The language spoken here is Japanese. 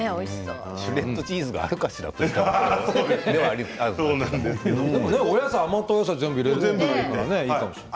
シュレッドチーズがあるかしらというお野菜全部入れていいかもしれない。